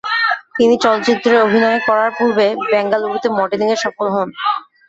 তিনি চলচ্চিত্রে অভিনয়ে করার পূর্বে বেঙ্গালুরুতে মডেলিং এ সফল হোন।